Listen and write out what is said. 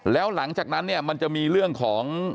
แล้วหลังจากนั้นเนี่ยมันจะมีเรื่องของ